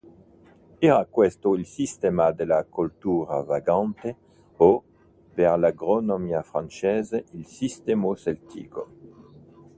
Era questo il sistema della coltura “vagante” o, per l'agronomia francese, il sistema celtico.